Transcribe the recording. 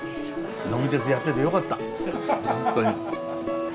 「呑み鉄」やっててよかったホントに。